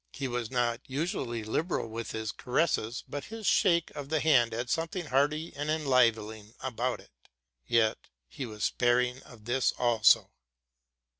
He was not usually liberi with lis caresses, but his shake of the hand had something hearty and enlivening about it: yet he was sparing of this also.